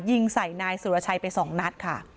ยิงใส่นายสุรชัยไป๒นัดค่ะ